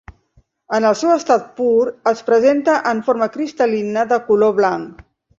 En el seu estat pur es presenta en forma cristal·lina de color blanc.